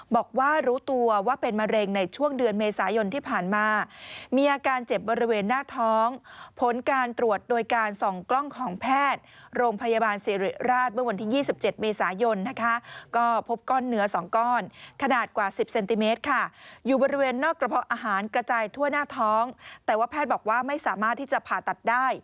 บอกว่ารู้ตัวว่าเป็นมะเร็งในช่วงเดือนเมษายนที่ผ่านมามีอาการเจ็บบริเวณหน้าท้องผลการตรวจโดยการส่องกล้องของแพทย์โรงพยาบาลสิริราชเมื่อวันที่๒๗เมษายนนะคะก็พบก้อนเนื้อ๒ก้อนขนาดกว่า๑๐เซนติเมตรค่ะอยู่บริเวณนอกกระเพาะอาหารกระจายทั่วหน้าท้องแต่ว่าแพทย์บอกว่าไม่สามารถที่จะผ่าตัดได้